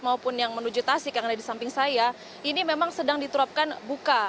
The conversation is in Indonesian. maupun yang menuju tasik yang ada di samping saya ini memang sedang diterapkan buka